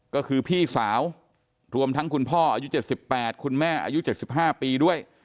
ก็คือพี่สาวรวมทั้งคุณพ่ออายุ๗๘คุณแม่อายุ๗๕ปีด้วย